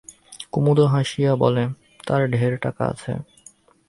কুমুদও হাসিয়া বলে, তার ঢের টাকা আছে।